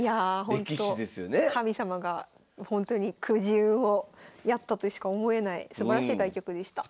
神様がほんとにくじ運をやったとしか思えないすばらしい対局でした。